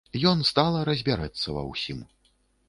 Ён стала разбярэцца ва ўсім.